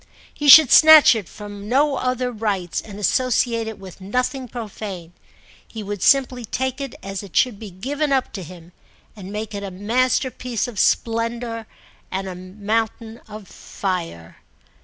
He should snatch it from no other rites and associate it with nothing profane; he would simply take it as it should be given up to him and make it a masterpiece of splendour and a mountain of fire.